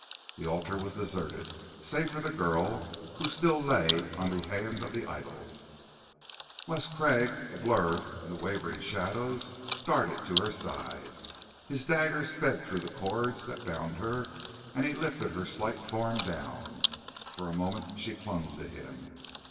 The altar was deserted, save for the girl who still lay on the hand of the idol.... Wes Craig, a blur in the wavering shadows, darted to her side. His dagger sped through the cords that bound her, and he lifted her slight form down. For a moment she clung to him.